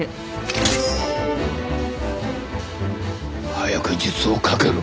早く術をかけろ。